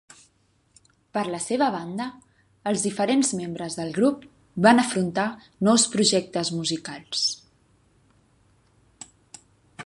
Per la seva banda, els diferents membres del grup van afrontar nous projectes musicals.